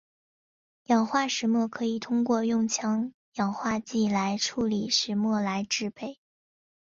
氧化石墨可以通过用强氧化剂来处理石墨来制备。